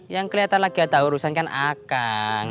yang kelihatan lagi atau urusan kan akang